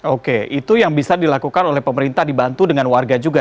oke itu yang bisa dilakukan oleh pemerintah dibantu dengan warga juga